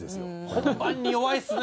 本番に弱いですね！